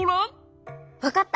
わかった！